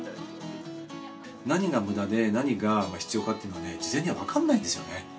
何がむだで、何が必要かということはね、事前には分かんないんですよね。